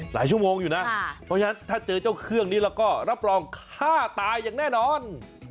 ชั่วโมงอยู่นะเพราะฉะนั้นถ้าเจอเจ้าเครื่องนี้แล้วก็รับรองฆ่าตายอย่างแน่นอน